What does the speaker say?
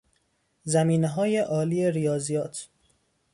زمینههای عالی ریاضیات